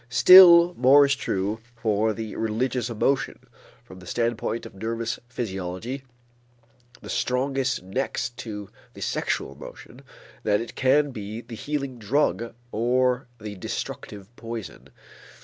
Still more is it true for the religious emotion, from the standpoint of nervous physiology the strongest next to the sexual emotion, that it can be the healing drug or the destructive poison.